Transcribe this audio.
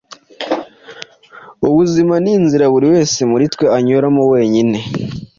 ubuzima ni inzira buri wese muri twe anyuramo wenyine.